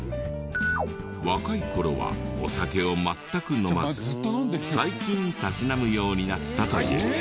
若い頃はお酒を全く飲まず最近たしなむようになったという。